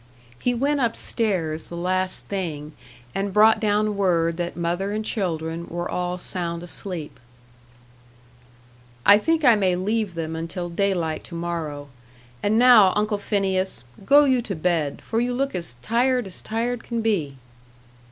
He went up stairs the last thing, and brought down word that mother and children were all sound asleep. "I think I may leave them until daylight to morrow. And now, Uncle Phineas, go you to bed, for you look as tired as tired can be."